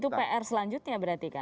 itu pr selanjutnya berarti kan